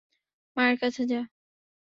মায়ের কাছে যা।